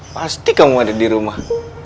pasti kamu ada di rumah